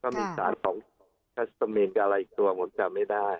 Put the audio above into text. มีสารของเมนกับอะไรอีกตัวผมจำไม่ได้